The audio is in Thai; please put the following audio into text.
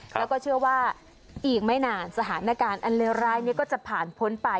ครับแล้วก็เชื่อว่าอีกไม่นานสถานการณ์อันลายรายเนี่ยก็จะผ่านพ้นไป